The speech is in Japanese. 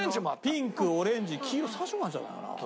ピンクオレンジ黄色３色ぐらいあるんじゃないかな？